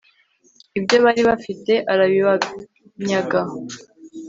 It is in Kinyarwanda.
ibyo bari bafite arabibanyaga